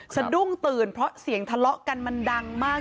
สะดุ้งตื่นเพราะเสียงทะเลาะกันมันดังมาก